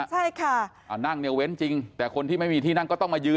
ใช่ค่ะอ่านั่งเนี่ยเว้นจริงแต่คนที่ไม่มีที่นั่งก็ต้องมายืน